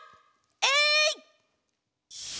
えい！